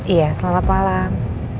iya selamat malam